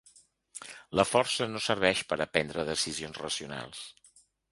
La força no serveix per a prendre decisions racionals.